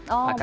oh masih ikut